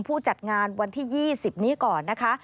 ผู้จัดงานวันที่๒๐นี้ก่อนนะคะ